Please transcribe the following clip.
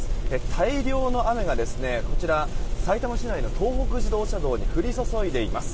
大量の雨が、こちらさいたま市内の東北自動車道に降り注いでいます。